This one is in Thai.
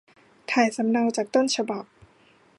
ถ่ายสำเนาจากต้นฉบับ